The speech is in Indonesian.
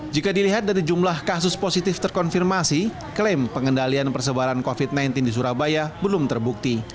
jika dilihat dari jumlah kasus positif terkonfirmasi klaim pengendalian persebaran covid sembilan belas di surabaya belum terbukti